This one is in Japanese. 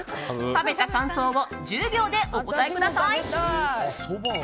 食べた感想を１０秒でお答えください。